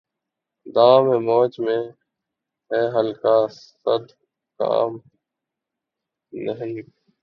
دام ہر موج میں ہے حلقۂ صد کام نہنگ